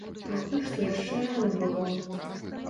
Пакуль што яшчэ рана было.